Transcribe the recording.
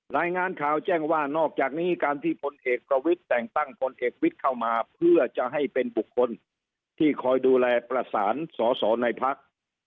รายงานข่าวแจ้งว่านอกจากนี้การที่พลเอกประวิทย์แต่งตั้งพลเอกวิทย์เข้ามาเพื่อจะให้เป็นบุคคลที่คอยดูแลประสานสอสอในพัก